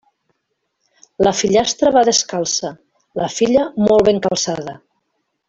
La fillastra va descalça; la filla, molt ben calçada.